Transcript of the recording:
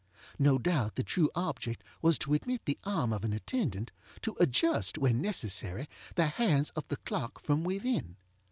No doubt the true object was to admit the arm of an attendant, to adjust, when necessary, the hands of the clock from within.